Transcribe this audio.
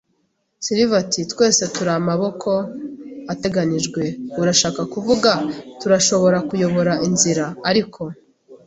Silver ati: "Twese turi amaboko ateganijwe, urashaka kuvuga". “Turashobora kuyobora inzira, ariko